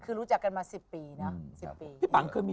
คือรู้จักกันมา๑๐ปีเนอะ